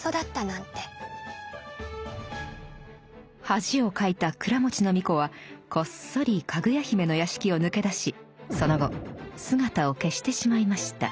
恥をかいた庫持の皇子はこっそりかぐや姫の屋敷を抜け出しその後姿を消してしまいました。